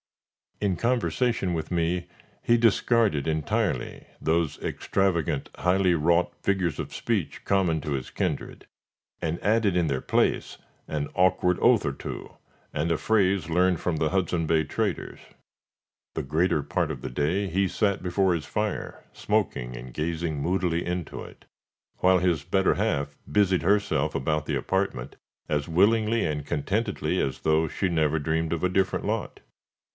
In conversation with me, he discarded entirely those extravagant, highly wrought figures of speech common to his kindred, and added in their place an awkward oath or two, and a phrase learned from the Hudson Bay traders. The greater part of the day he sat before his fire, smoking and gazing moodily into it, while his better half busied herself about the apartment as willingly and contentedly as though she never dreamed of a different lot.